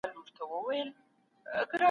هغه کولای سي د څېړنې ډول معلوم کړي.